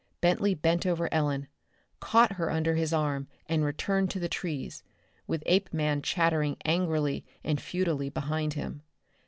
Bentley bent over Ellen, caught her under his arm, and returned to the trees, with Apeman chattering angrily and futilely behind him.